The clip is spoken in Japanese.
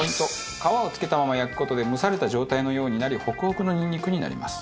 皮を付けたまま焼く事で蒸された状態のようになりホクホクのにんにくになります。